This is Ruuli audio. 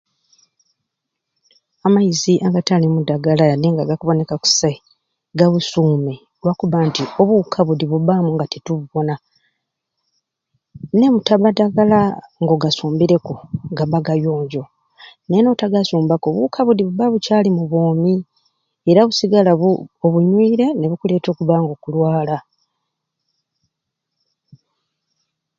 Amaizi agatalimu ddagala yadde nga gakuboneka kusai gabusuume lwakubanga nti obuwuka budi bubbaamu nga titukububona nemutabba ddagala nga ogasumbireku gabba gayonjo naye notagasumbaku obuwuka budi bubba bukyali bwomi era busigala bu obunywire nibuleeta okubba nga okulwala.